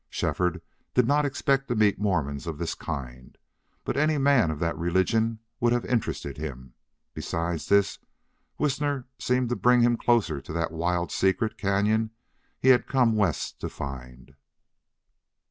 Shefford did not expect to meet Mormons of this kind. But any man of that religion would have interested him. Besides this, Whisner seemed to bring him closer to that wild secret cañon he had come West to find.